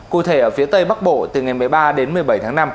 cụ thể ở phía tây bắc bộ từ ngày một mươi ba đến một mươi bảy tháng năm